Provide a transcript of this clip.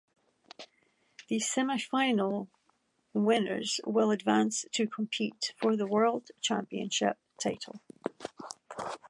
The semifinals winners will advance to compete for the World Championship title.